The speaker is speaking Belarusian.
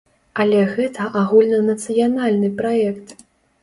Але гэта агульнанацыянальны праект.